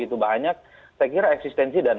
itu banyak saya kira eksistensi dan